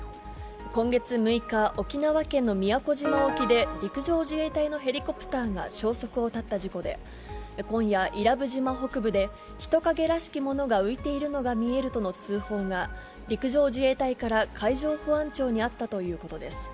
今月６日、沖縄県の宮古島沖で陸上自衛隊のヘリコプターが消息を絶った事故で、今夜、伊良部島北部で人影らしきものが浮いているのが見えるとの通報が陸上自衛隊から海上保安庁にあったということです。